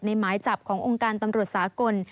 หมายจับขององค์การตำรวจสากล